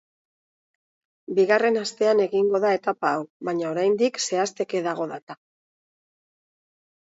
Bigarren astean egingo da etapa hau, baina oraindik zehazteke dago data.